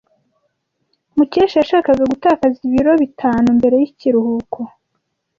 Mukesha yashakaga gutakaza ibiro bitanu mbere yikiruhuko.